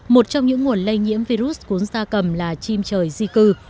một trong những nguồn lây nhiễm virus cúng gia cầm là chim trời di cư